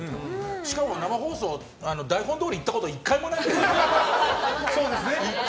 しかも生放送台本どおりいったことは１回もないですけどね。